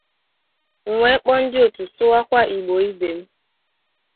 m wee kpọọ ndị Otu Sụwakwa Igbo ibe m